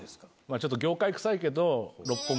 ちょっと業界くさいけど。